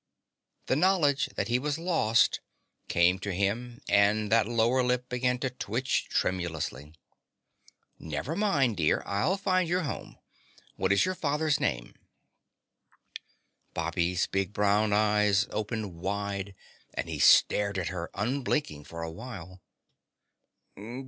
The knowledge that he was lost came to him and that lower lip began to twitch tremulously. "Never mind, dear, I'll find your home. What is your father's name?" Bobby's big brown eyes opened wide and he stared at her unblinking for a while.